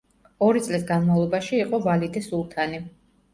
ორი წლის განმავლობაში იყო ვალიდე სულთანი.